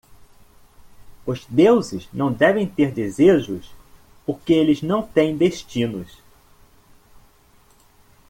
Os deuses não devem ter desejos? porque eles não têm destinos.